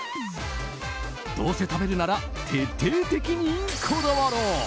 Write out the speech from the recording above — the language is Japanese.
どうせ食べるなら徹底的にこだわろう！